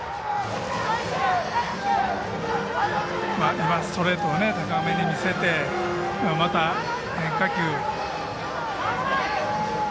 今ストレートを高めに見せて、また変化球。